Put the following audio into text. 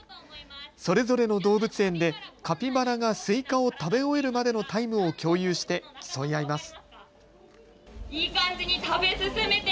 それぞれの動物園でカピバラがスイカを食べ終えるまでのタイムを共有して競い合います。